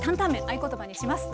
合言葉にします。